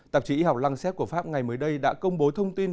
tạp chí y học lăng xét của pháp ngày mới đây đã công bố thông tin